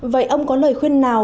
vậy ông có lời khuyên nào